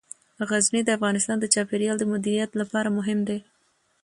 غزني د افغانستان د چاپیریال د مدیریت لپاره مهم دي.